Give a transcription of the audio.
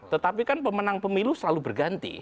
tetapi kan pemenang pemilu selalu berganti